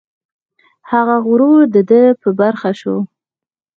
هغه غرور د ده په برخه شو.